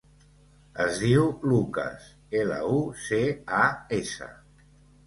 Es diu Lucas: ela, u, ce, a, essa.